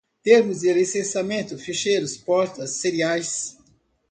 termos de licenciamento, ficheiros, portas seriais